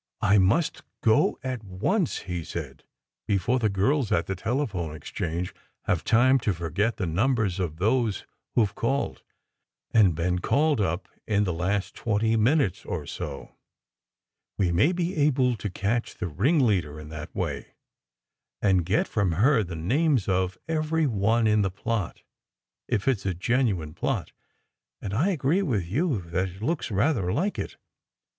"I must go at once," he said, "before the girls at the telephone exchange have time to forget the numbers of those who ve called and been called up in the last twenty minutes or so. We may be able to catch the ringleader in that way, and get from her the names of every one in the plot if it s a genuine plot; and I agree with you that it looks rather like it.